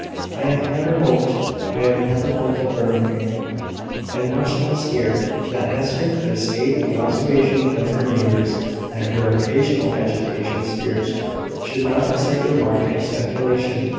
"I have never hoped I never hoped at Birmingham, and much less here that Hester could escape the observation of her neighbours that her occasional agitation of spirits should not excite remark and speculation.